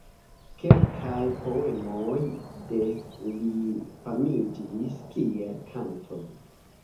Kelkaj poemoj de li famiĝis kiel kantoj.